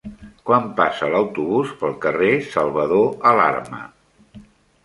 Quan passa l'autobús pel carrer Salvador Alarma?